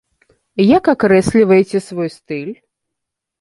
Як акрэсліваеце свой стыль?